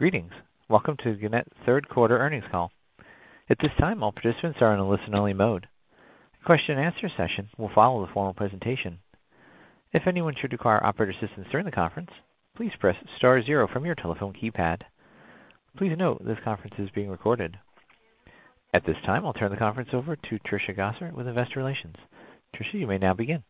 Greetings. Welcome to Gannett's Third Quarter Earnings Call. At this time, all participants are in a listen-only mode. A question and answer session will follow the formal presentation. If anyone should require operator assistance during the conference, please press star zero from your telephone keypad. Please note this conference is being recorded. At this time, I'll turn the conference over to Trisha Gosser with Investor Relations. Tricia, you may now begin.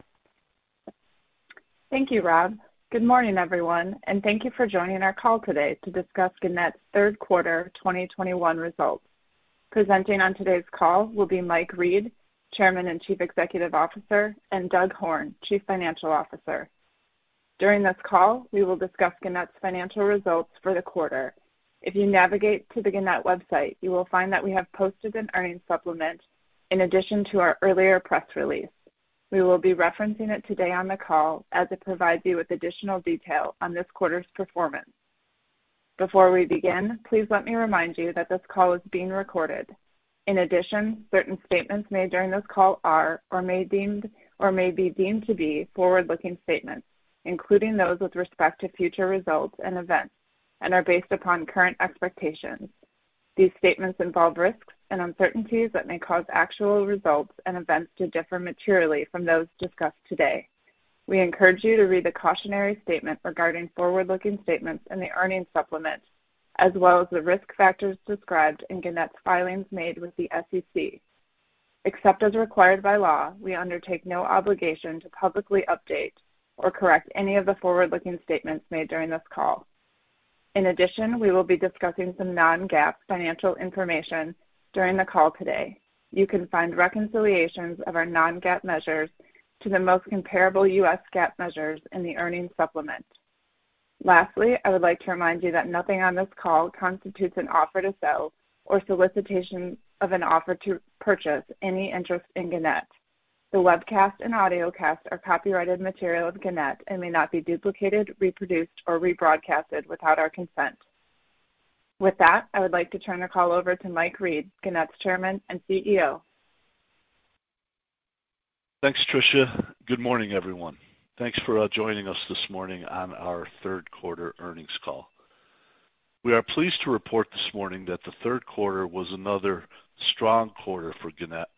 Thank you, Rob. Good morning, everyone, and thank you for joining our call today to discuss Gannett's Third Quarter 2021 Results. Presenting on today's call will be Mike Reed, Chairman and Chief Executive Officer, and Doug Horne, Chief Financial Officer. During this call, we will discuss Gannett's financial results for the quarter. If you navigate to the Gannett website, you will find that we have posted an earnings supplement in addition to our earlier press release. We will be referencing it today on the call as it provides you with additional detail on this quarter's performance. Before we begin, please let me remind you that this call is being recorded. In addition, certain statements made during this call are, or may be deemed to be forward-looking statements, including those with respect to future results and events, and are based upon current expectations. These statements involve risks and uncertainties that may cause actual results and events to differ materially from those discussed today. We encourage you to read the cautionary statement regarding forward-looking statements in the earnings supplement, as well as the risk factors described in Gannett's filings made with the SEC. Except as required by law, we undertake no obligation to publicly update or correct any of the forward-looking statements made during this call. In addition, we will be discussing some non-GAAP financial information during the call today. You can find reconciliations of our non-GAAP measures to the most comparable U.S. GAAP measures in the earnings supplement. Lastly, I would like to remind you that nothing on this call constitutes an offer to sell or solicitation of an offer to purchase any interest in Gannett. The webcast and audiocast are copyrighted material of Gannett and may not be duplicated, reproduced, or rebroadcast without our consent. With that, I would like to turn the call over to Mike Reed, Gannett's Chairman and CEO. Thanks, Trisha. Good morning, everyone. Thanks for joining us this morning on our Third Quarter Earnings Call. We are pleased to report this morning that the Q3 was another strong quarter for Gannett,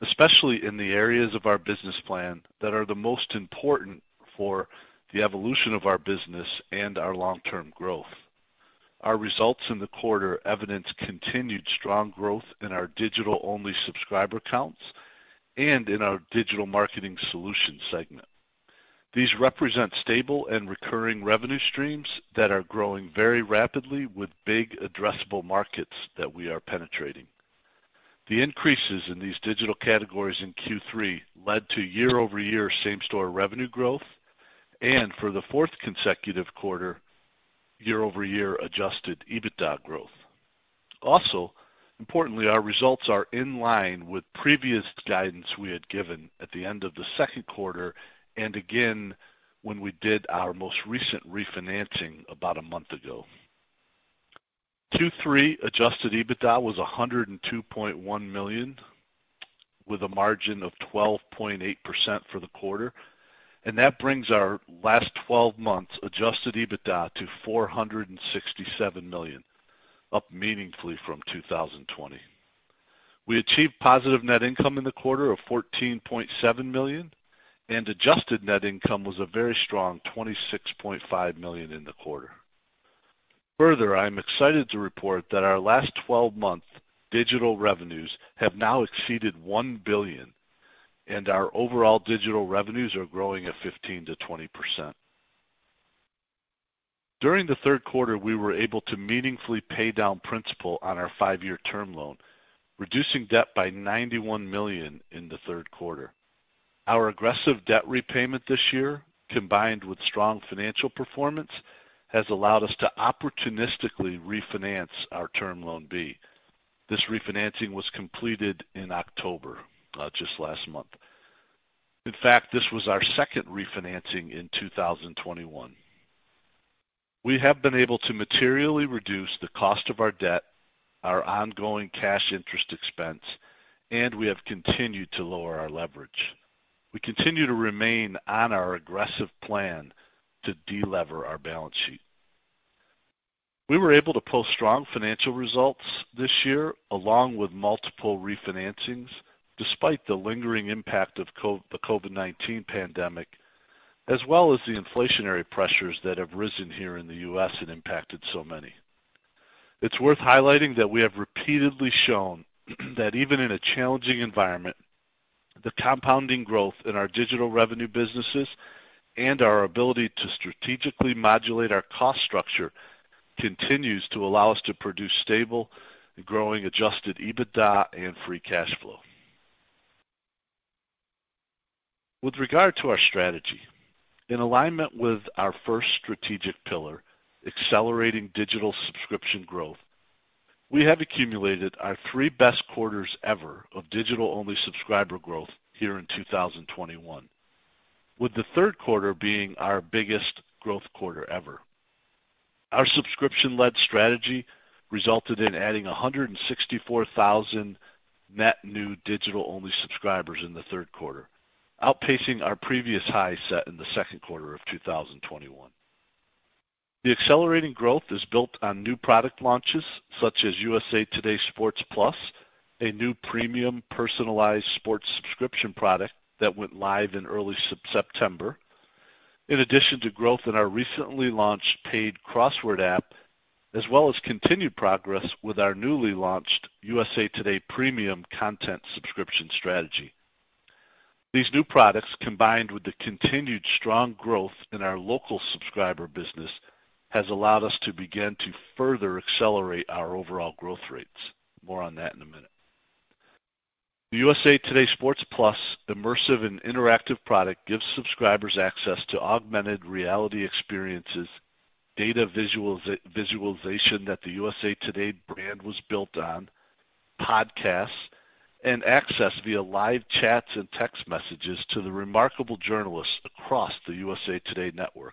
especially in the areas of our business plan that are the most important for the evolution of our business and our long-term growth. Our results in the quarter evidence continued strong growth in our digital-only subscriber counts and in our digital marketing solutions segment. These represent stable and recurring revenue streams that are growing very rapidly with big addressable markets that we are penetrating. The increases in these digital categories in Q3 led to year-over-year same-store revenue growth and for the fourth consecutive quarter, year-over-year adjusted EBITDA growth. Importantly, our results are in line with previous guidance we had given at the end of the Q2 and again when we did our most recent refinancing about a month ago. Q3 adjusted EBITDA was $102.1 million, with a margin of 12.8% for the quarter. That brings our last twelve months adjusted EBITDA to $467 million, up meaningfully from 2020. We achieved positive net income in the quarter of $14.7 million, and adjusted net income was a very strong $26.5 million in the quarter. Further, I'm excited to report that our last twelve-month digital revenues have now exceeded $1 billion, and our overall digital revenues are growing at 15%-20%. During the Q3, we were able to meaningfully pay down principal on our five-year term loan, reducing debt by $91 million in the Q3. Our aggressive debt repayment this year, combined with strong financial performance, has allowed us to opportunistically refinance our Term Loan B. This refinancing was completed in October, just last month. In fact, this was our second refinancing in 2021. We have been able to materially reduce the cost of our debt, our ongoing cash interest expense, and we have continued to lower our leverage. We continue to remain on our aggressive plan to de-lever our balance sheet. We were able to post strong financial results this year, along with multiple refinancings despite the lingering impact of the COVID-19 pandemic, as well as the inflationary pressures that have risen here in the U.S. and impacted so many. It's worth highlighting that we have repeatedly shown that even in a challenging environment, the compounding growth in our digital revenue businesses and our ability to strategically modulate our cost structure continues to allow us to produce stable and growing adjusted EBITDA and free cash flow. With regard to our strategy, in alignment with our first strategic pillar, accelerating digital subscription growth, we have accumulated our three best quarters ever of digital-only subscriber growth here in 2021, with the Q3 being our biggest growth quarter ever. Our subscription-led strategy resulted in adding 164,000 net new digital-only subscribers in the Q3, outpacing our previous high set in the Q2 of 2021. The accelerating growth is built on new product launches such as USA TODAY Sports+, a new premium personalized sports subscription product that went live in early September. In addition to growth in our recently launched paid crossword app, as well as continued progress with our newly launched USA Today premium content subscription strategy, these new products, combined with the continued strong growth in our local subscriber business, has allowed us to begin to further accelerate our overall growth rates. More on that in a minute. The USA TODAY Sports+, immersive and interactive product, gives subscribers access to augmented reality experiences, data visualization that the USA Today brand was built on, podcasts, and access via live chats and text messages to the remarkable journalists across the USA Today network,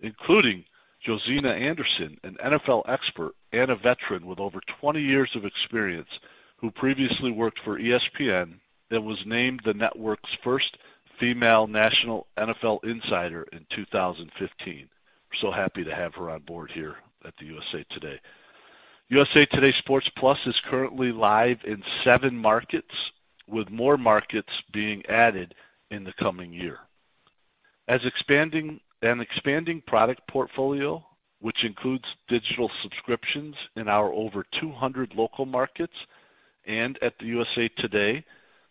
including Josina Anderson, an NFL expert and a veteran with over 20 years of experience who previously worked for ESPN and was named the network's first female national NFL insider in 2015. We're so happy to have her on board here at the USA Today. USA TODAY Sports+ is currently live in 7 markets, with more markets being added in the coming year. An expanding product portfolio, which includes digital subscriptions in our over 200 local markets and at the USA TODAY,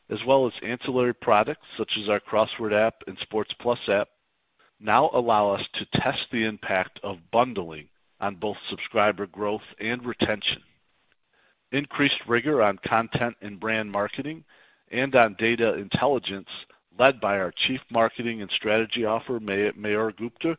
as well as ancillary products such as our crossword app and Sports+ app, now allow us to test the impact of bundling on both subscriber growth and retention. Increased rigor on content and brand marketing and on data intelligence led by our Chief Marketing and Strategy Officer, Mayur Gupta,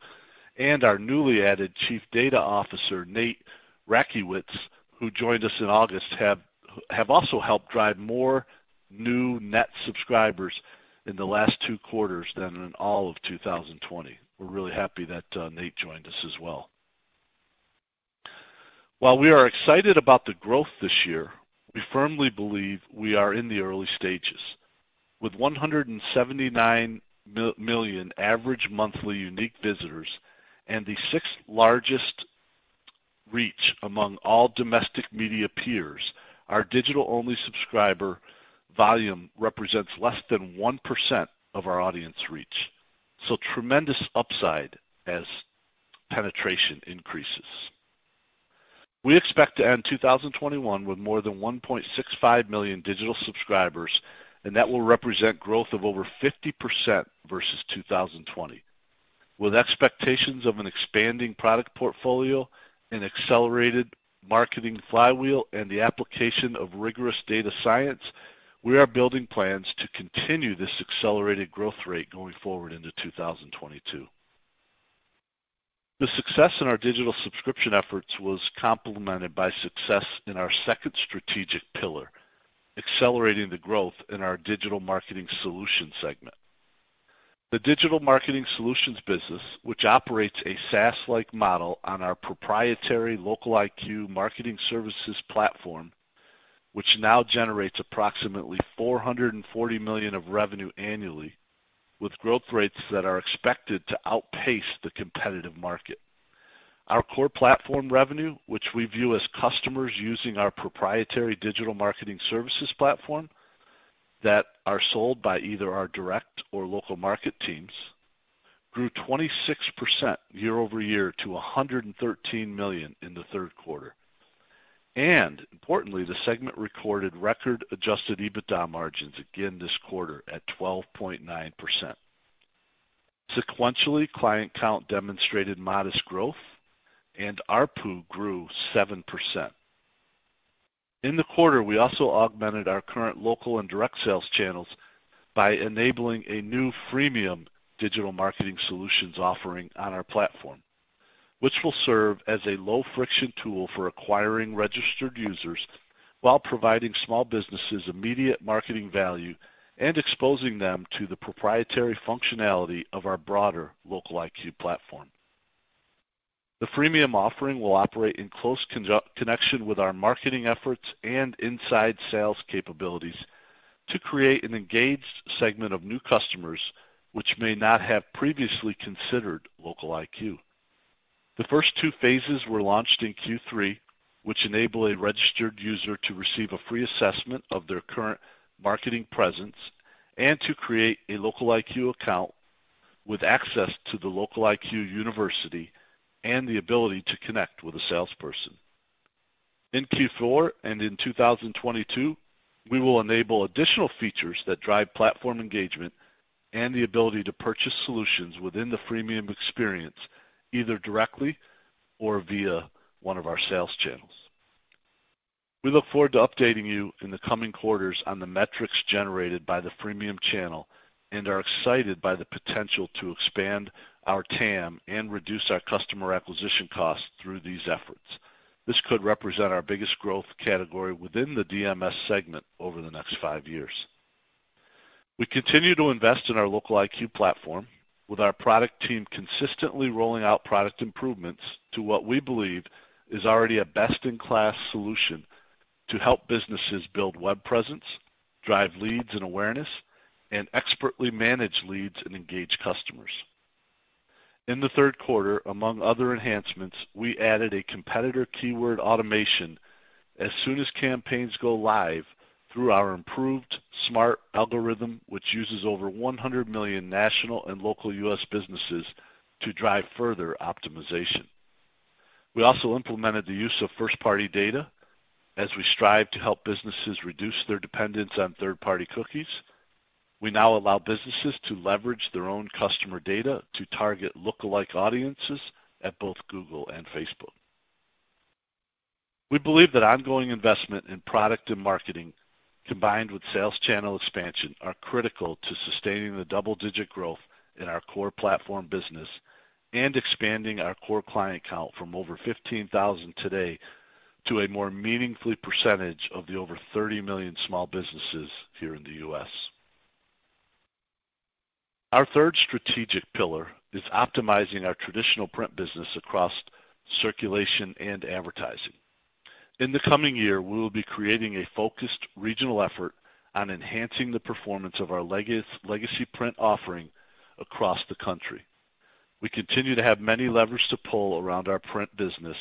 and our newly added Chief Data Officer, Nate Rackiewicz, who joined us in August, have also helped drive more new net subscribers in the last two quarters than in all of 2020. We're really happy that Nate Rackiewicz joined us as well. While we are excited about the growth this year, we firmly believe we are in the early stages. With 179 million average monthly unique visitors and the sixth largest reach among all domestic media peers, our digital-only subscriber volume represents less than 1% of our audience reach. Tremendous upside as penetration increases. We expect to end 2021 with more than 1.65 million digital subscribers, and that will represent growth of over 50% versus 2020. With expectations of an expanding product portfolio, an accelerated marketing flywheel, and the application of rigorous data science, we are building plans to continue this accelerated growth rate going forward into 2022. The success in our digital subscription efforts was complemented by success in our second strategic pillar, accelerating the growth in our digital marketing solutions segment. The digital marketing solutions business, which operates a SaaS-like model on our proprietary LocaliQ marketing services platform, which now generates approximately $440 million of revenue annually, with growth rates that are expected to outpace the competitive market. Our core platform revenue, which we view as customers using our proprietary digital marketing services platform that are sold by either our direct or local market teams, grew 26% year-over-year to $113 million in the Q3. Importantly, the segment recorded record adjusted EBITDA margins again this quarter at 12.9%. Sequentially, client count demonstrated modest growth and ARPU grew 7%. In the quarter, we also augmented our current local and direct sales channels by enabling a new freemium digital marketing solutions offering on our platform, which will serve as a low-friction tool for acquiring registered users while providing small businesses immediate marketing value and exposing them to the proprietary functionality of our broader LocaliQ platform. The freemium offering will operate in close conjunction with our marketing efforts and inside sales capabilities to create an engaged segment of new customers which may not have previously considered LocaliQ. The first two phases were launched in Q3, which enable a registered user to receive a free assessment of their current marketing presence and to create a LocaliQ account with access to the LocaliQ University and the ability to connect with a salesperson. In Q4 and in 2022, we will enable additional features that drive platform engagement and the ability to purchase solutions within the freemium experience, either directly or via one of our sales channels. We look forward to updating you in the coming quarters on the metrics generated by the freemium channel and are excited by the potential to expand our TAM and reduce our customer acquisition costs through these efforts. This could represent our biggest growth category within the DMS segment over the next 5 years. We continue to invest in our LocaliQ platform with our product team consistently rolling out product improvements to what we believe is already a best-in-class solution to help businesses build web presence, drive leads and awareness, and expertly manage leads and engage customers. In the Q3, among other enhancements, we added a competitor keyword automation as soon as campaigns go live through our improved smart algorithm, which uses over 100 million national and local U.S. businesses to drive further optimization. We also implemented the use of first-party data as we strive to help businesses reduce their dependence on third-party cookies. We now allow businesses to leverage their own customer data to target lookalike audiences at both Google and Facebook. We believe that ongoing investment in product and marketing, combined with sales channel expansion, are critical to sustaining the double-digit growth in our core platform business and expanding our core client count from over 15,000 today to a more meaningful percentage of the over 30 million small businesses here in the U.S. Our third strategic pillar is optimizing our traditional print business across circulation and advertising. In the coming year, we will be creating a focused regional effort on enhancing the performance of our legacy print offering across the country. We continue to have many levers to pull around our print business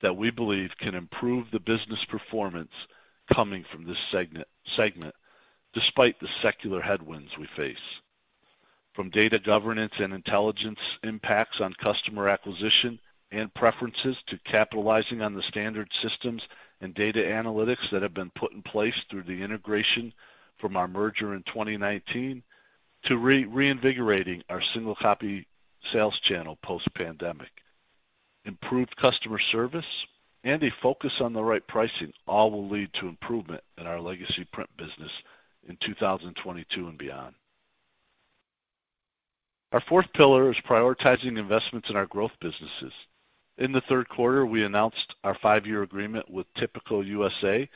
that we believe can improve the business performance coming from this segment despite the secular headwinds we face, from data governance and intelligence impacts on customer acquisition and preferences, to capitalizing on the standard systems and data analytics that have been put in place through the integration from our merger in 2019, to reinvigorating our single copy sales channel post-pandemic, improved customer service and a focus on the right pricing all will lead to improvement in our legacy print business in 2022 and beyond. Our fourth pillar is prioritizing investments in our growth businesses. In the Q3, we announced our five-year agreement with Tipico USA,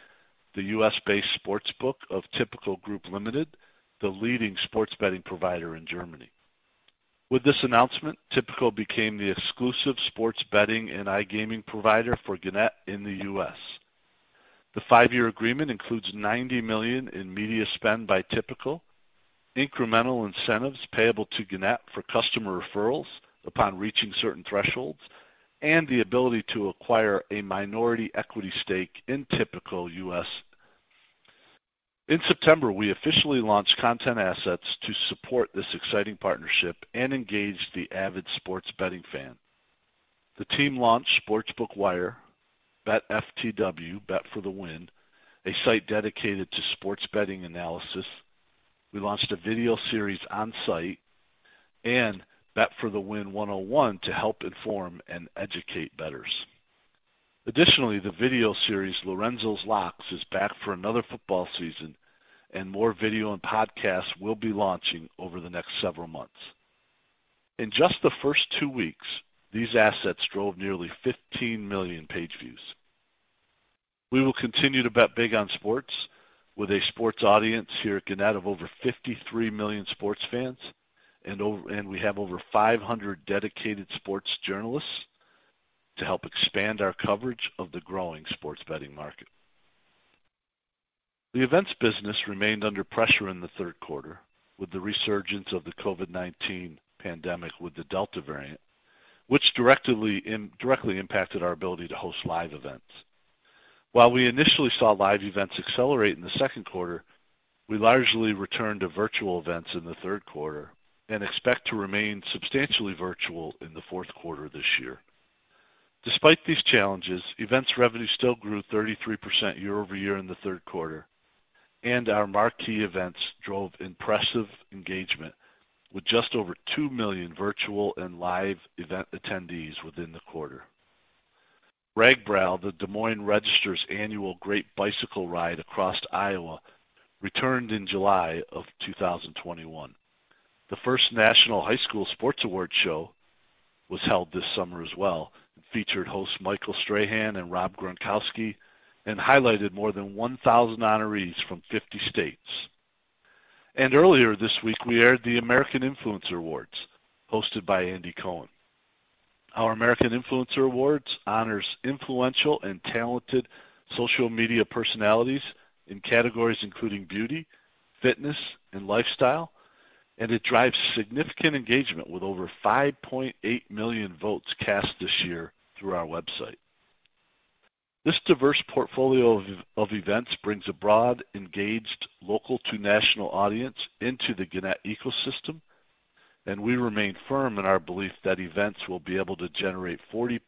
the U.S.-based sports book of Tipico Group Limited, the leading sports betting provider in Germany. With this announcement, Tipico became the exclusive sports betting and iGaming provider for Gannett in the U.S. The five-year agreement includes $90 million in media spend by Tipico, incremental incentives payable to Gannett for customer referrals upon reaching certain thresholds, and the ability to acquire a minority equity stake in Tipico US. In September, we officially launched content assets to support this exciting partnership and engage the avid sports betting fan. The team launched Sportsbook Wire, BetFTW, Bet for the Win, a site dedicated to sports betting analysis. We launched a video series on site and Bet for the Win 101 to help inform and educate bettors. Additionally, the video series Lorenzo's Locks is back for another football season, and more video and podcasts will be launching over the next several months. In just the first two weeks, these assets drove nearly 15 million page views. We will continue to bet big on sports with a sports audience here at Gannett of over 53 million sports fans and we have over 500 dedicated sports journalists to help expand our coverage of the growing sports betting market. The events business remained under pressure in the Q3 with the resurgence of the COVID-19 pandemic with the Delta variant, which directly impacted our ability to host live events. While we initially saw live events accelerate in the Q2, we largely returned to virtual events in the Q3 and expect to remain substantially virtual in the fourth quarter this year. Despite these challenges, events revenue still grew 33% year-over-year in the Q3, and our marquee events drove impressive engagement with just over 2 million virtual and live event attendees within the quarter. RAGBRAI, The Des Moines Register's annual Great Bicycle Ride Across Iowa, returned in July of 2021. The first National High School Sports Awards show was held this summer as well. It featured hosts Michael Strahan and Rob Gronkowski and highlighted more than 1,000 honorees from 50 states. Earlier this week, we aired the American Influencer Awards hosted by Andy Cohen. Our American Influencer Awards honors influential and talented social media personalities in categories including beauty, fitness, and lifestyle, and it drives significant engagement with over 5.8 million votes cast this year through our website. This diverse portfolio of events brings a broad, engaged, local to national audience into the Gannett ecosystem, and we remain firm in our belief that events will be able to generate 40%+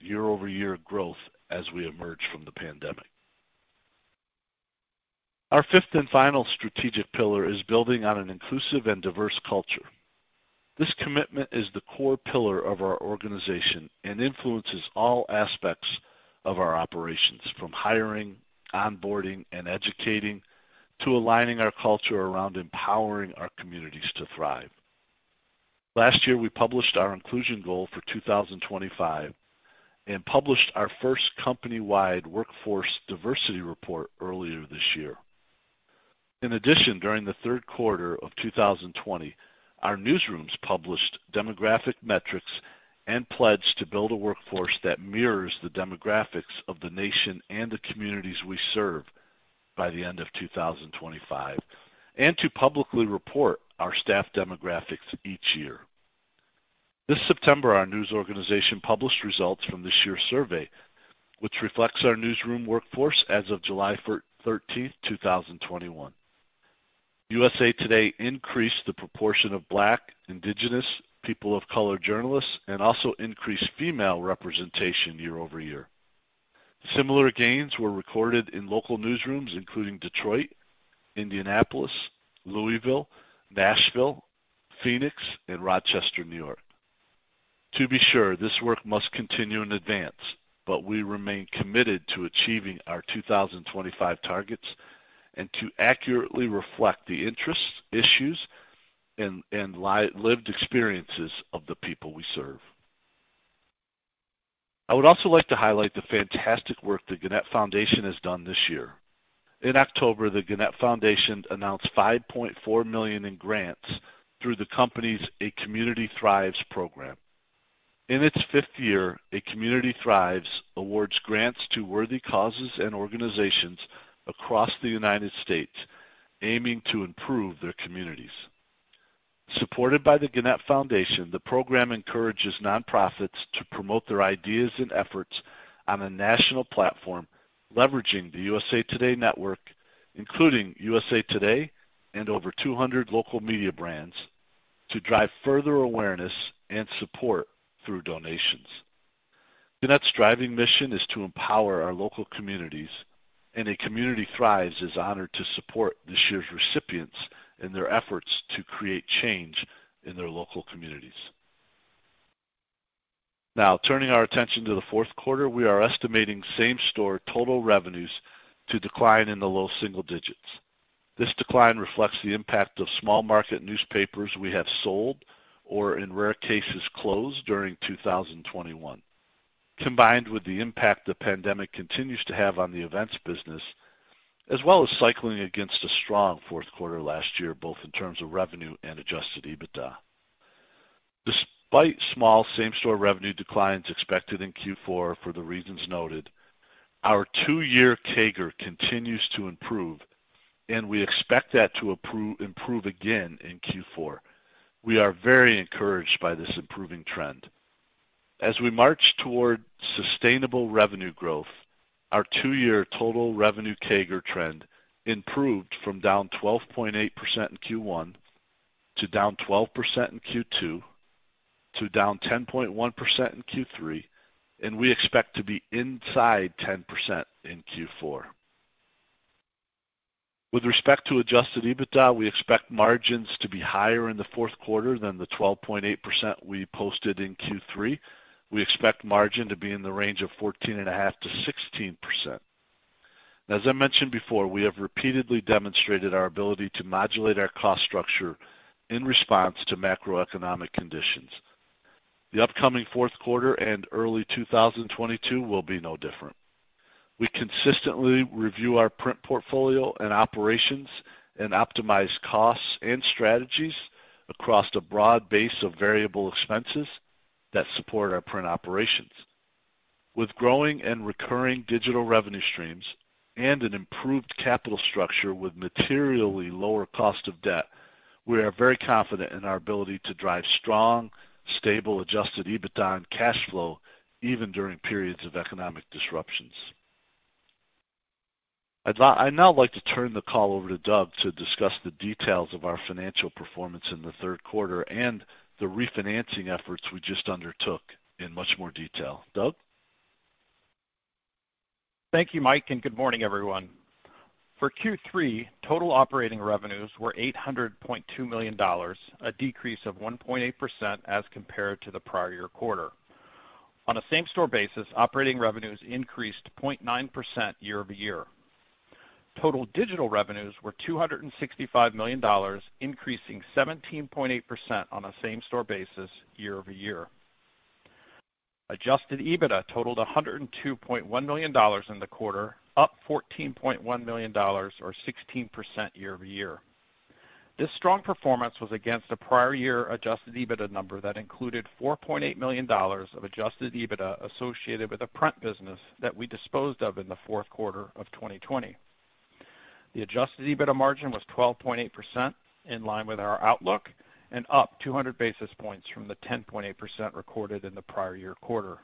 year-over-year growth as we emerge from the pandemic. Our fifth and final strategic pillar is building on an inclusive and diverse culture. This commitment is the core pillar of our organization and influences all aspects of our operations from hiring, onboarding, and educating to aligning our culture around empowering our communities to thrive. Last year, we published our inclusion goal for 2025 and published our first company-wide workforce diversity report earlier this year. In addition, during the Q3 of 2020, our newsrooms published demographic metrics and pledged to build a workforce that mirrors the demographics of the nation and the communities we serve by the end of 2025, and to publicly report our staff demographics each year. This September, our news organization published results from this year's survey, which reflects our newsroom workforce as of 13 July 2021. USA Today increased the proportion of Black, Indigenous people of color journalists, and also increased female representation year-over-year. Similar gains were recorded in local newsrooms including Detroit, Indianapolis, Louisville, Nashville, Phoenix, and Rochester, New York. To be sure, this work must continue in advance, but we remain committed to achieving our 2025 targets and to accurately reflect the interests, issues, and lived experiences of the people we serve. I would also like to highlight the fantastic work the Gannett Foundation has done this year. In October, the Gannett Foundation announced $5.4 million in grants through the company's A Community Thrives program. In its fifth year, A Community Thrives awards grants to worthy causes and organizations across the United States, aiming to improve their communities. Supported by the Gannett Foundation, the program encourages nonprofits to promote their ideas and efforts on a national platform, leveraging the USA Today network, including USA Today and over 200 local media brands, to drive further awareness and support through donations. Gannett's driving mission is to empower our local communities, and A Community Thrives is honored to support this year's recipients in their efforts to create change in their local communities. Now, turning our attention to the fourth quarter, we are estimating same-store total revenues to decline in the low single digits. This decline reflects the impact of small market newspapers we have sold or in rare cases, closed during 2021, combined with the impact the pandemic continues to have on the events business, as well as cycling against a strong fourth quarter last year, both in terms of revenue and adjusted EBITDA. Despite small same-store revenue declines expected in Q4 for the reasons noted, our two-year CAGR continues to improve, and we expect that to improve again in Q4. We are very encouraged by this improving trend. As we march toward sustainable revenue growth, our two-year total revenue CAGR trend improved from down 12.8% in Q1 to down 12% in Q2 to down 10.1% in Q3, and we expect to be inside 10% in Q4. With respect to adjusted EBITDA, we expect margins to be higher in the fourth quarter than the 12.8% we posted in Q3. We expect margin to be in the range of 14.5%-16%. We have repeatedly demonstrated our ability to modulate our cost structure in response to macroeconomic conditions. The upcoming fourth quarter and early 2022 will be no different. We consistently review our print portfolio and operations and optimize costs and strategies across a broad base of variable expenses that support our print operations. With growing and recurring digital revenue streams and an improved capital structure with materially lower cost of debt, we are very confident in our ability to drive strong, stable, adjusted EBITDA and cash flow even during periods of economic disruptions. I now like to turn the call over to Doug to discuss the details of our financial performance in the Q3 and the refinancing efforts we just undertook in much more detail. Doug? Thank you, Mike, and good morning, everyone. For Q3, total operating revenues were $800.2 million, a decrease of 1.8% as compared to the prior year quarter. On a same-store basis, operating revenues increased 0.9% year-over-year. Total digital revenues were $265 million, increasing 17.8% on a same-store basis year-over-year. Adjusted EBITDA totaled $102.1 million in the quarter, up $14.1 million or 16% year-over-year. This strong performance was against a prior year adjusted EBITDA number that included $4.8 million of adjusted EBITDA associated with the print business that we disposed of in the fourth quarter of 2020. The Adjusted EBITDA margin was 12.8% in line with our outlook and up 200 basis points from the 10.8% recorded in the prior year quarter.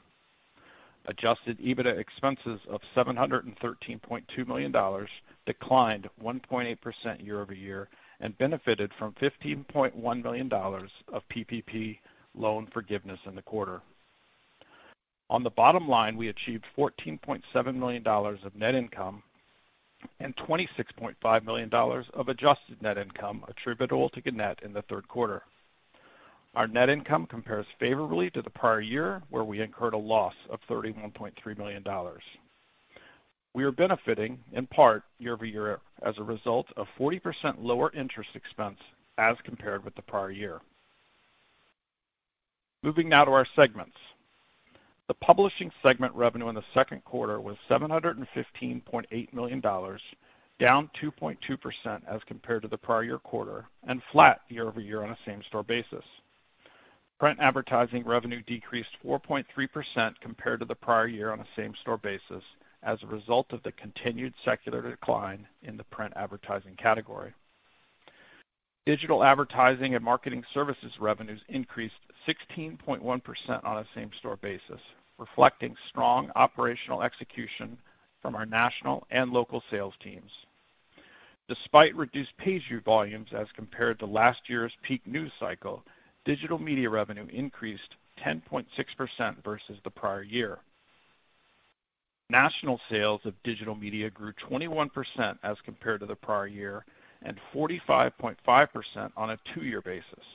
Adjusted EBITDA expenses of $713.2 million declined 1.8% year-over-year and benefited from $15.1 million of PPP loan forgiveness in the quarter. On the bottom line, we achieved $14.7 million of net income and $26.5 million of adjusted net income attributable to Gannett in the Q3. Our net income compares favorably to the prior year, where we incurred a loss of $31.3 million. We are benefiting in part year-over-year as a result of 40% lower interest expense as compared with the prior year. Moving now to our segments. The publishing segment revenue in the Q2 was $715.8 million, down 2.2% as compared to the prior year quarter and flat year-over-year on a same-store basis. Print advertising revenue decreased 4.3% compared to the prior year on a same-store basis as a result of the continued secular decline in the print advertising category. Digital advertising and marketing services revenues increased 16.1% on a same-store basis, reflecting strong operational execution from our national and local sales teams. Despite reduced page view volumes as compared to last year's peak news cycle, digital media revenue increased 10.6% versus the prior year. National sales of digital media grew 21% as compared to the prior year and 45.5% on a two-year basis.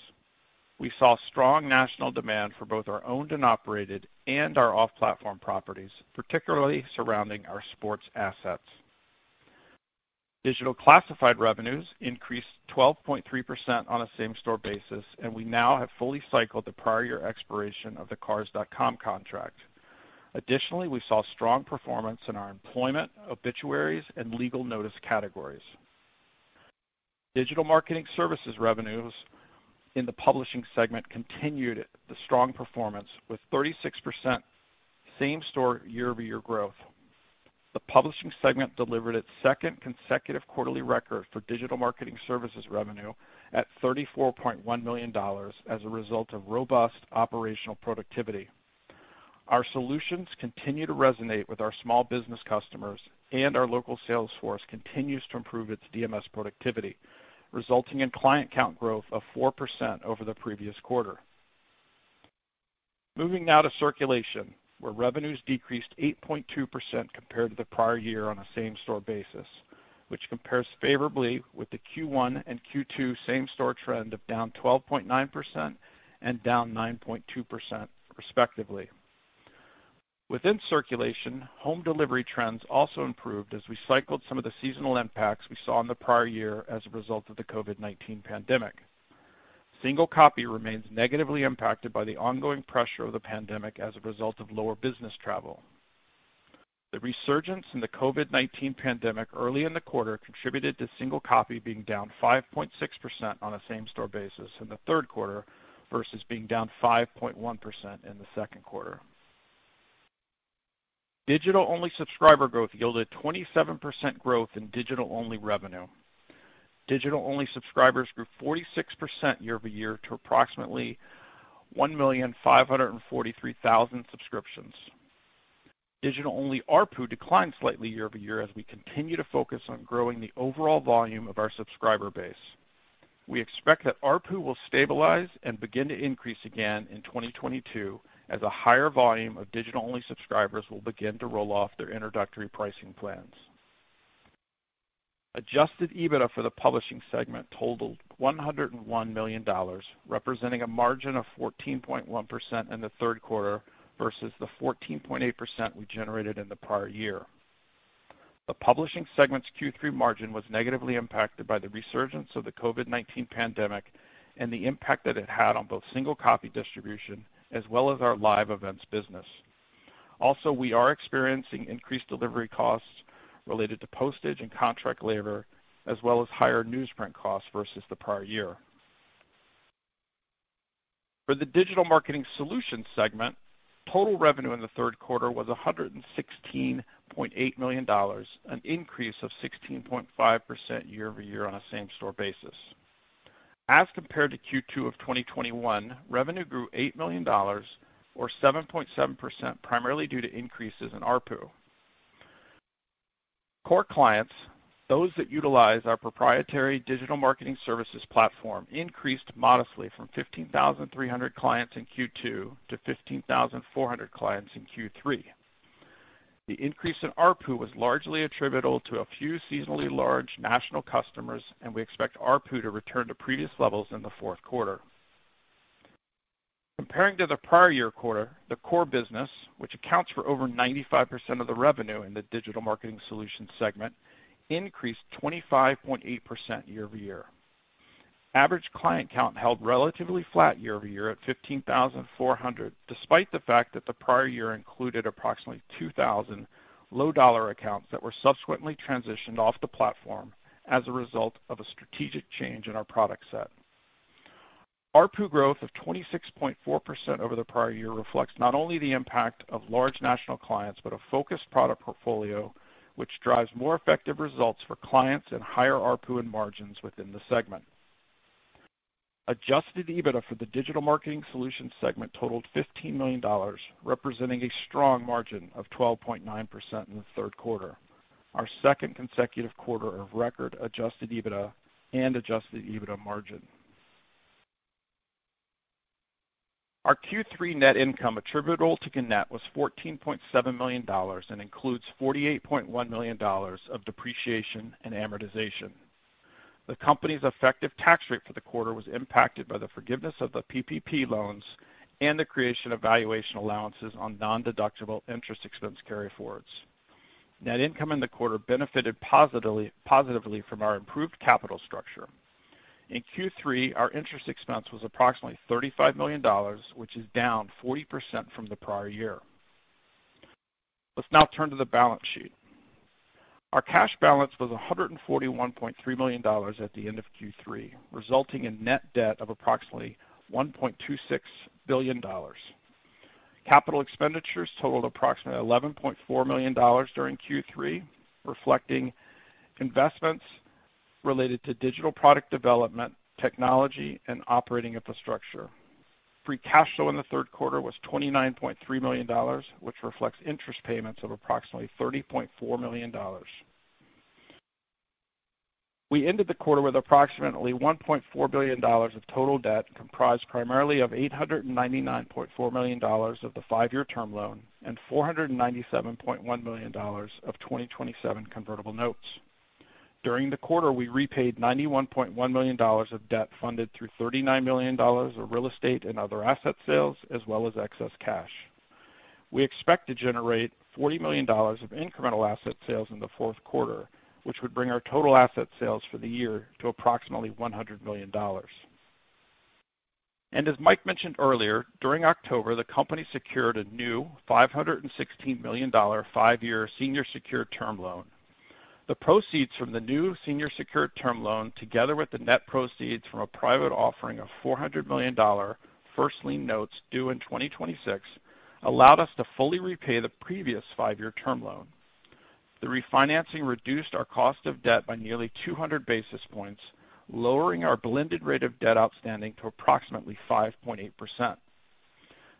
We saw strong national demand for both our owned and operated and our off-platform properties, particularly surrounding our sports assets. Digital classified revenues increased 12.3% on a same-store basis, and we now have fully cycled the prior year expiration of the cars.com contract. Additionally, we saw strong performance in our employment, obituaries, and legal notice categories. Digital marketing services revenues in the publishing segment continued the strong performance with 36% same-store year-over-year growth. The publishing segment delivered its second consecutive quarterly record for digital marketing services revenue at $34.1 million as a result of robust operational productivity. Our solutions continue to resonate with our small business customers, and our local sales force continues to improve its DMS productivity, resulting in client count growth of 4% over the previous quarter. Moving now to circulation, where revenues decreased 8.2% compared to the prior year on a same-store basis, which compares favorably with the Q1 and Q2 same-store trend of down 12.9% and down 9.2% respectively. Within circulation, home delivery trends also improved as we cycled some of the seasonal impacts we saw in the prior year as a result of the COVID-19 pandemic. Single copy remains negatively impacted by the ongoing pressure of the pandemic as a result of lower business travel. The resurgence in the COVID-19 pandemic early in the quarter contributed to single copy being down 5.6% on a same-store basis in the Q3 versus being down 5.1% in the Q2. Digital-only subscriber growth yielded 27% growth in digital-only revenue. Digital-only subscribers grew 46% year-over-year to approximately 1,543,000 subscriptions. Digital-only ARPU declined slightly year-over-year as we continue to focus on growing the overall volume of our subscriber base. We expect that ARPU will stabilize and begin to increase again in 2022 as a higher volume of digital-only subscribers will begin to roll off their introductory pricing plans. Adjusted EBITDA for the Publishing segment totaled $101 million, representing a margin of 14.1% in the Q3 versus the 14.8% we generated in the prior year. The Publishing segment's Q3 margin was negatively impacted by the resurgence of the COVID-19 pandemic and the impact that it had on both single copy distribution as well as our live events business. Also, we are experiencing increased delivery costs related to postage and contract labor, as well as higher newsprint costs versus the prior year. For the Digital Marketing Solutions segment, total revenue in the Q3 was $116.8 million, an increase of 16.5% year-over-year on a same-store basis. As compared to Q2 of 2021, revenue grew $8 million or 7.7%, primarily due to increases in ARPU. Core clients, those that utilize our proprietary digital marketing services platform, increased modestly from 15,300 clients in Q2 to 15,400 clients in Q3. The increase in ARPU was largely attributable to a few seasonally large national customers, and we expect ARPU to return to previous levels in the fourth quarter. Comparing to the prior year quarter, the core business, which accounts for over 95% of the revenue in the digital marketing solutions segment, increased 25.8% year-over-year. Average client count held relatively flat year-over-year at 15,400, despite the fact that the prior year included approximately 2,000 low dollar accounts that were subsequently transitioned off the platform as a result of a strategic change in our product set. ARPU growth of 26.4% over the prior year reflects not only the impact of large national clients, but a focused product portfolio, which drives more effective results for clients and higher ARPU and margins within the segment. Adjusted EBITDA for the digital marketing solutions segment totaled $15 million, representing a strong margin of 12.9% in the Q3, our second consecutive quarter of record adjusted EBITDA and adjusted EBITDA margin. Our Q3 net income attributable to Gannett was $14.7 million and includes $48.1 million of depreciation and amortization. The company's effective tax rate for the quarter was impacted by the forgiveness of the PPP loans and the creation of valuation allowances on non-deductible interest expense carryforwards. Net income in the quarter benefited positively from our improved capital structure. In Q3, our interest expense was approximately $35 million, which is down 40% from the prior year. Let's now turn to the balance sheet. Our cash balance was $141.3 million at the end of Q3, resulting in net debt of approximately $1.26 billion. Capital expenditures totaled approximately $11.4 million during Q3, reflecting investments related to digital product development, technology, and operating infrastructure. Free cash flow in the Q3 was $29.3 million, which reflects interest payments of approximately $30.4 million. We ended the quarter with approximately $1.4 billion of total debt, comprised primarily of $899.4 million of the five-year term loan and $497.1 million of 2027 convertible notes. During the quarter, we repaid $91.1 million of debt funded through $39 million of real estate and other asset sales as well as excess cash. We expect to generate $40 million of incremental asset sales in the fourth quarter, which would bring our total asset sales for the year to approximately $100 million. As Mike mentioned earlier, during October, the company secured a new $516 million five-year senior secured term loan. The proceeds from the new senior secured term loan, together with the net proceeds from a private offering of $400 million first lien notes due in 2026, allowed us to fully repay the previous five-year term loan. The refinancing reduced our cost of debt by nearly 200 basis points, lowering our blended rate of debt outstanding to approximately 5.8%.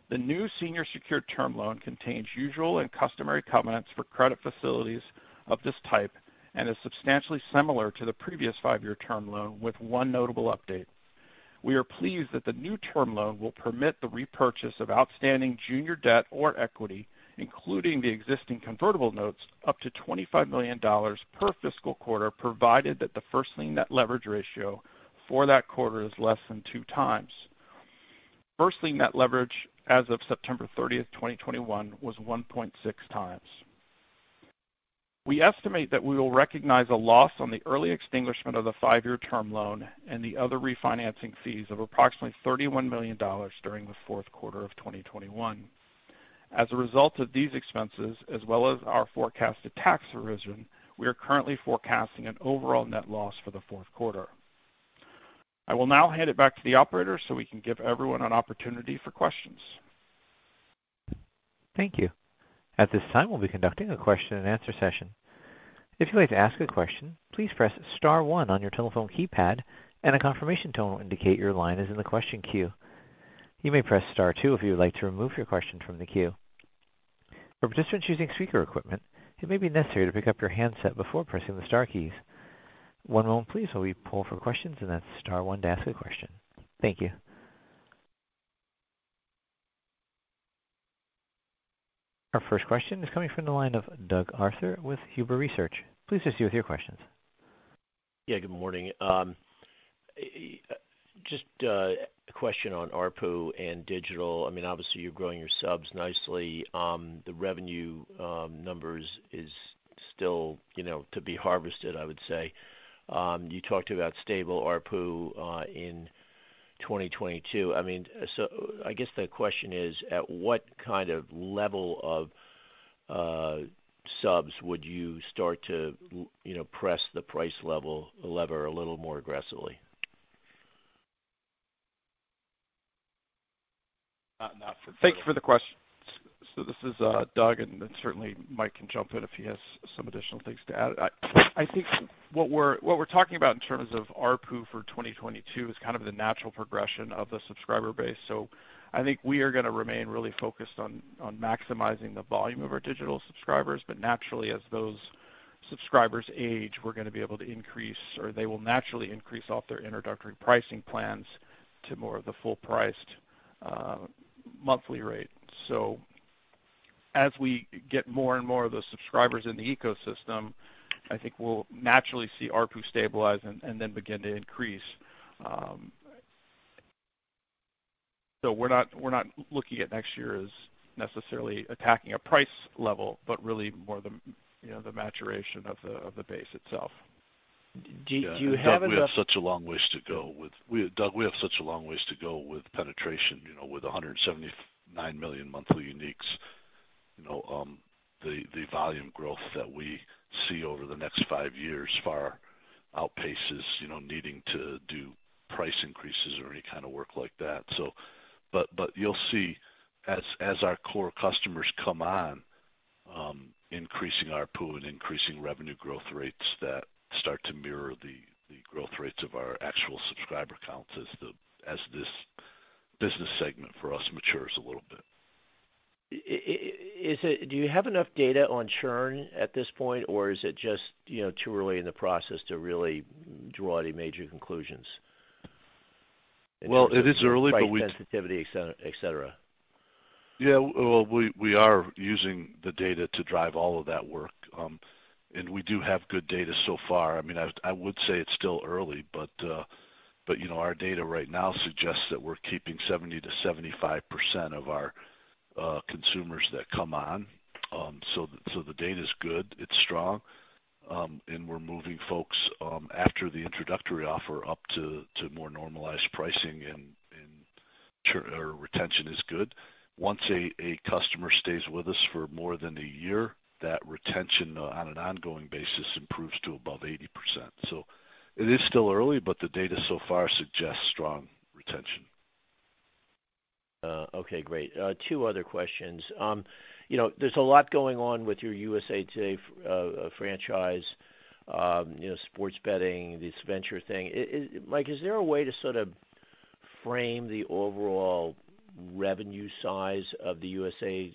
The new senior secured term loan contains usual and customary covenants for credit facilities of this type and is substantially similar to the previous five-year term loan with one notable update. We are pleased that the new term loan will permit the repurchase of outstanding junior debt or equity, including the existing convertible notes, up to $25 million per fiscal quarter, provided that the first lien net leverage ratio for that quarter is less than 2x. First lien net leverage as of 30 September 2021 was 1.6x. We estimate that we will recognize a loss on the early extinguishment of the five-year term loan and the other refinancing fees of approximately $31 million during the fourth quarter of 2021. As a result of these expenses, as well as our forecasted tax revision, we are currently forecasting an overall net loss for the fourth quarter. I will now hand it back to the operator so we can give everyone an opportunity for questions. Thank you. At this time, we'll be conducting a question and answer session. If you'd like to ask a question, please press star one on your telephone keypad and a confirmation tone will indicate your line is in the question queue. You may press star two if you would like to remove your question from the queue. For participants using speaker equipment, it may be necessary to pick up your handset before pressing the star keys. One moment please while we poll for questions, and that's star one to ask a question. Thank you. Our first question is coming from the line of Doug Arthur with Huber Research Partners. Please go ahead with your question. Yeah, good morning. Just a question on ARPU and digital. I mean, obviously, you're growing your subs nicely. The revenue numbers is still, you know, to be harvested, I would say. You talked about stable ARPU in 2022. I mean, so I guess the question is, at what kind of level of subs would you start to, you know, press the price lever a little more aggressively? Thank you for the question. This is Doug, and certainly Mike can jump in if he has some additional things to add. I think what we're talking about in terms of ARPU for 2022 is kind of the natural progression of the subscriber base. I think we are gonna remain really focused on maximizing the volume of our digital subscribers. Naturally, as those subscribers age, we're gonna be able to increase, or they will naturally increase off their introductory pricing plans to more of the full-priced monthly rate. As we get more and more of those subscribers in the ecosystem, I think we'll naturally see ARPU stabilize and then begin to increase. We're not looking at next year as necessarily attacking a price level, but really more you know the maturation of the base itself. Do you have enough? Doug, we have such a long ways to go with penetration, you know, with 179 million monthly uniques. You know, the volume growth that we see over the next five years far outpaces, you know, needing to do price increases or any kind of work like that. You'll see as our core customers come on, increasing ARPU and increasing revenue growth rates that start to mirror the growth rates of our actual subscriber counts as this business segment for us matures a little bit. Do you have enough data on churn at this point, or is it just, you know, too early in the process to really draw any major conclusions? Well, it is early, but we- Site sensitivity, et cetera. Yeah, well, we are using the data to drive all of that work. We do have good data so far. I mean, I would say it's still early, but you know, our data right now suggests that we're keeping 70%-75% of our consumers that come on. The data's good, it's strong. We're moving folks after the introductory offer up to more normalized pricing and retention is good. Once a customer stays with us for more than a year, that retention on an ongoing basis improves to above 80%. It is still early, but the data so far suggests strong retention. Okay, great. Two other questions. You know, there's a lot going on with your USA TODAY franchise, you know, sports betting, this venture thing. Mike, is there a way to sort of frame the overall revenue size of the USA TODAY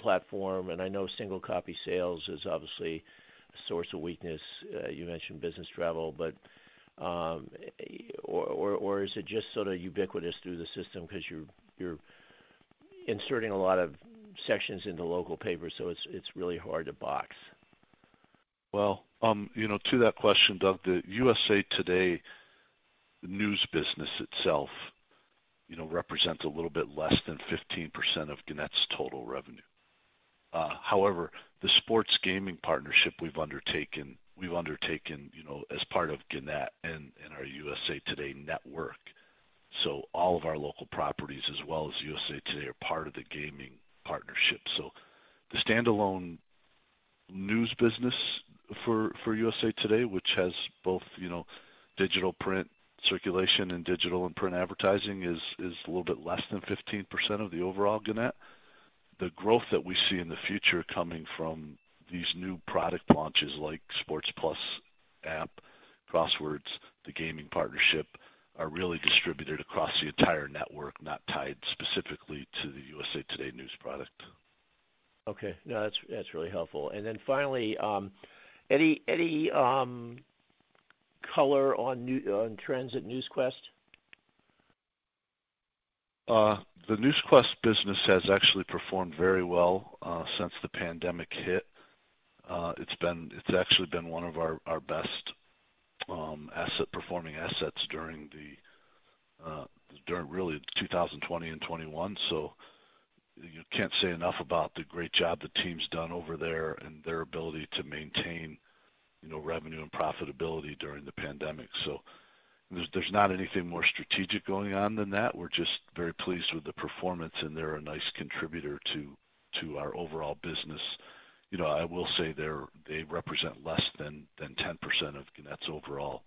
platform? And I know single copy sales is obviously a source of weakness. You mentioned business travel, but or is it just sort of ubiquitous through the system 'cause you're inserting a lot of sections in the local paper, so it's really hard to box? Well, you know, to that question, Doug, the USA Today news business itself, you know, represents a little bit less than 15% of Gannett's total revenue. However, the sports gaming partnership we've undertaken, you know, as part of Gannett and our USA Today network. All of our local properties as well as USA Today are part of the gaming partnership. The standalone news business for USA Today, which has both, you know, digital print circulation and digital and print advertising, is a little bit less than 15% of the overall Gannett. The growth that we see in the future coming from these new product launches like Sports+ app, Crosswords, the gaming partnership, are really distributed across the entire network, not tied specifically to the USA Today news product. Okay. No, that's really helpful. Finally, any color on trends at Newsquest? The Newsquest business has actually performed very well since the pandemic hit. It's actually been one of our best performing assets during really 2020 and 2021. You can't say enough about the great job the team's done over there and their ability to maintain, you know, revenue and profitability during the pandemic. There's not anything more strategic going on than that. We're just very pleased with the performance, and they're a nice contributor to our overall business. You know, I will say they represent less than 10% of Gannett's overall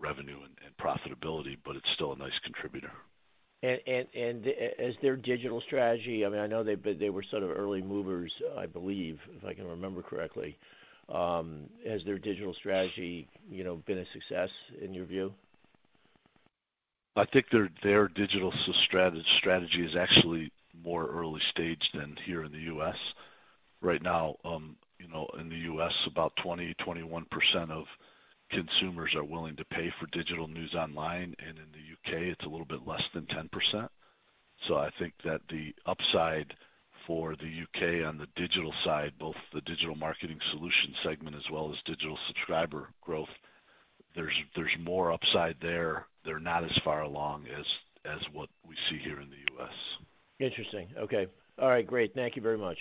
revenue and profitability, but it's still a nice contributor. as their digital strategy, I mean, I know they were sort of early movers, I believe, if I can remember correctly. Has their digital strategy, you know, been a success in your view? I think their digital strategy is actually more early stage than here in the U.S. Right now, you know, in the U.S., about 21% of consumers are willing to pay for digital news online, and in the U.K. it's a little bit less than 10%. I think that the upside for the U.K. on the digital side, both the digital marketing solution segment as well as digital subscriber growth, there's more upside there. They're not as far along as what we see here in the U.S. Interesting. Okay. All right. Great. Thank you very much.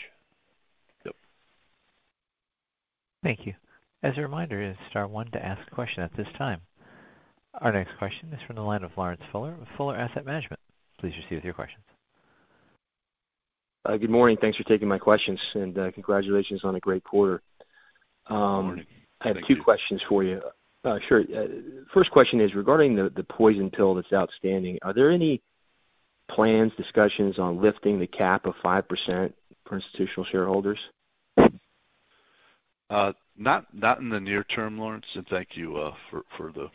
Yep. Thank you. As a reminder, it's star one to ask a question at this time. Our next question is from the line of Lawrence Fuller with Fuller Asset Management. Please proceed with your questions. Good morning. Thanks for taking my questions, and congratulations on a great quarter. Good morning. Thank you. I have two questions for you. Sure. First question is regarding the poison pill that's outstanding. Are there any plans, discussions on lifting the cap of 5% for institutional shareholders? Not in the near term, Lawrence. Thank you for the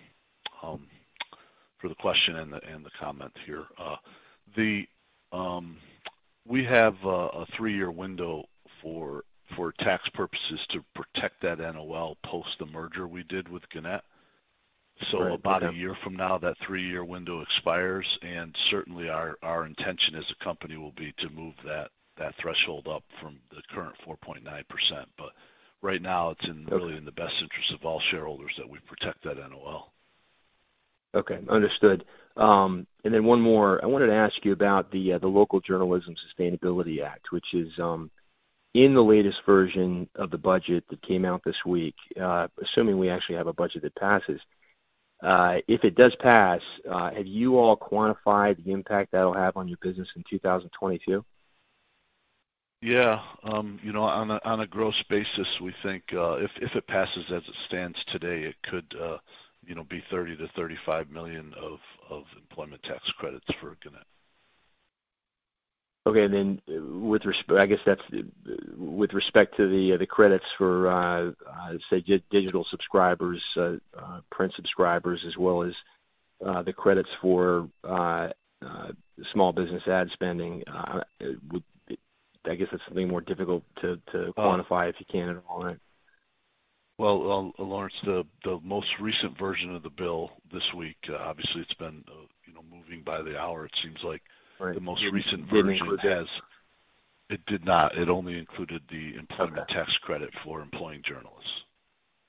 question and the comment here. We have a three-year window for tax purposes to protect that NOL post the merger we did with Gannett. Right. Okay. About a year from now, that three-year window expires, and certainly our intention as a company will be to move that threshold up from the current 4.9%. Right now it's in- Okay. It's really in the best interest of all shareholders that we protect that NOL. Okay. Understood. I wanted to ask you about the Local Journalism Sustainability Act, which is in the latest version of the budget that came out this week. Assuming we actually have a budget that passes, if it does pass, have you all quantified the impact that'll have on your business in 2022? Yeah. You know, on a gross basis, we think, if it passes as it stands today, it could, you know, be $30 million-$35 million of employment tax credits for Gannett. Okay. With respect to the credits for, say, digital subscribers, print subscribers as well as the credits for small business ad spending, I guess that's something more difficult to. Uh- quantify, if you can at all. Well, Lawrence, the most recent version of the bill this week, obviously it's been, you know, moving by the hour, it seems like. Right. The most recent version has. Did it include? It did not. It only included the. Okay. employment tax credit for employing journalists.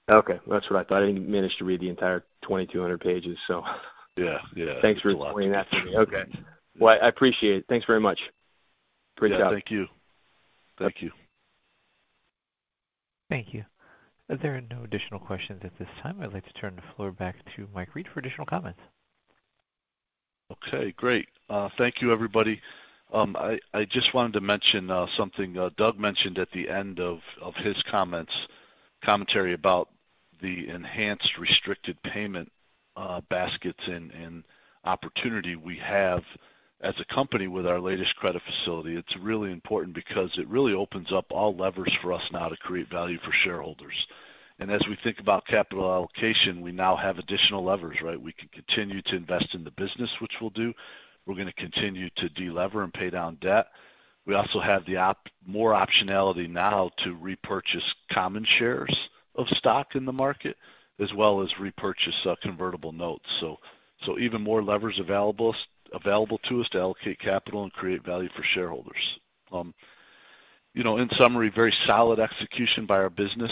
Okay. That's what I thought. I didn't manage to read the entire 2,200 pages, so Yeah. Yeah. Thanks for explaining that to me. It's a lot to read. Okay. Well, I appreciate it. Thanks very much. Great job. Yeah, thank you. Thank you. Thank you. There are no additional questions at this time. I'd like to turn the floor back to Mike Reed for additional comments. Okay, great. Thank you, everybody. I just wanted to mention something Doug mentioned at the end of his comments about the enhanced restricted payment baskets and opportunity we have as a company with our latest credit facility. It's really important because it really opens up all levers for us now to create value for shareholders. As we think about capital allocation, we now have additional levers, right? We can continue to invest in the business, which we'll do. We're gonna continue to delever and pay down debt. We also have more optionality now to repurchase common shares of stock in the market, as well as repurchase convertible notes. Even more levers available to us to allocate capital and create value for shareholders. You know, in summary, very solid execution by our business,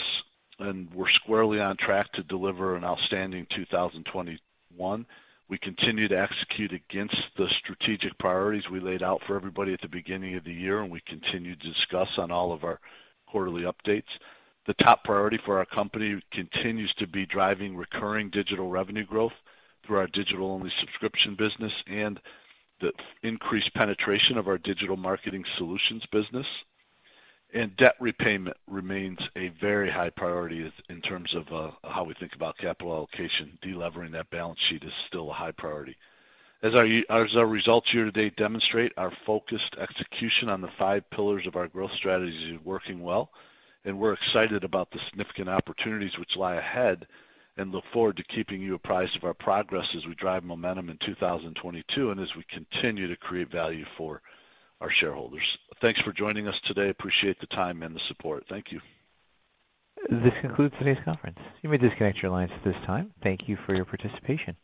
and we're squarely on track to deliver an outstanding 2021. We continue to execute against the strategic priorities we laid out for everybody at the beginning of the year, and we continue to discuss on all of our quarterly updates. The top priority for our company continues to be driving recurring digital revenue growth through our digital-only subscription business and the increased penetration of our digital marketing solutions business. Debt repayment remains a very high priority in terms of how we think about capital allocation. Delevering that balance sheet is still a high priority. As our results year to date demonstrate, our focused execution on the five pillars of our growth strategy is working well, and we're excited about the significant opportunities which lie ahead and look forward to keeping you apprised of our progress as we drive momentum in 2022 and as we continue to create value for our shareholders. Thanks for joining us today. Appreciate the time and the support. Thank you. This concludes today's conference. You may disconnect your lines at this time. Thank you for your participation.